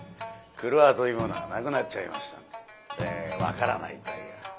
郭というものがなくなっちゃいましたんで分からないという。